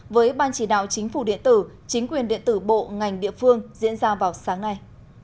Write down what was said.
với ban chỉ đạo chính phủ điện tử chính quyền điện tử bộ ngành địa phương diễn ra vào sáng nay